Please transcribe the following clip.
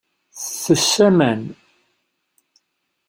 Tettess aman.